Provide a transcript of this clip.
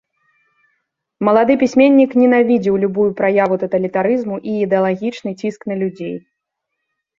Малады пісьменнік ненавідзеў любую праяву таталітарызму і ідэалагічны ціск на людзей.